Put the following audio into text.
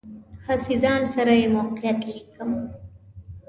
هسې ځان سره یې موقعیت لیکم.